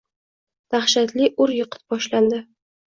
Dahshatli ur-yiqit boshlandi